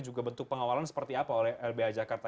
juga bentuk pengawalan seperti apa oleh lbh jakarta